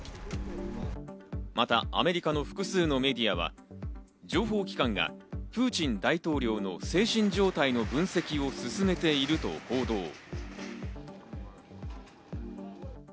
またアメリカの複数のメディアは、情報機関がプーチン大統領の精神状態の分析を進めていると報道。